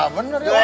bener ya pak